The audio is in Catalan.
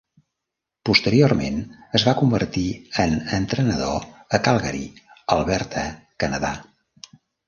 Posteriorment, es va convertir en entrenador a Calgary, Alberta, Canadà.